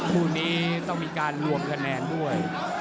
คู่นี้ต้องมีการรวมคะแนนด้วย